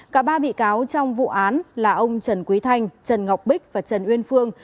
cả ba bị cáo trong vụ án là ông trần quý thanh trần ngọc bích và trần uyên phương